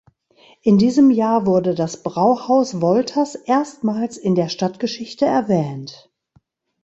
In diesem Jahr wurde das Brauhaus Wolters erstmals in der Stadtgeschichte erwähnt.